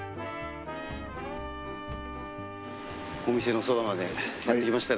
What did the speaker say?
お店のそばまでやって来ました。